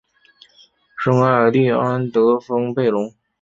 圣艾蒂安德丰贝隆。